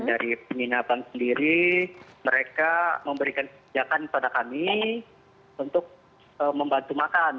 dari penginapan sendiri mereka memberikan kebijakan pada kami untuk membantu makan